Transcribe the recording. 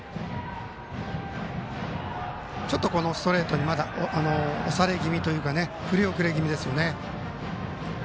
ちょっとこのストレートにまだ押され気味というか振り遅れ気味ですね。